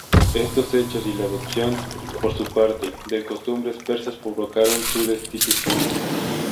Estos hechos y la adopción, por su parte, de costumbres persas provocaron su destitución.